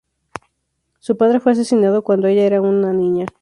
Su padre fue asesinado cuando ella era aún una niña.